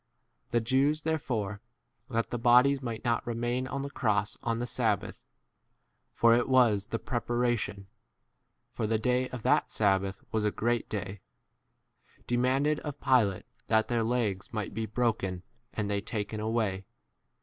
The Jews therefore, that the bodies might not remain on the cross on the sabbath, for it was [the] prepara tion, (for s the day of that sabbath was a great [day].) demanded of Pilate that their legs might be 32 broken and they taken away.